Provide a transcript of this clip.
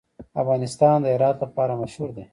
افغانستان د هرات لپاره مشهور دی.